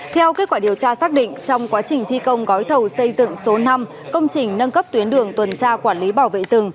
theo kết quả điều tra xác định trong quá trình thi công gói thầu xây dựng số năm công trình nâng cấp tuyến đường tuần tra quản lý bảo vệ rừng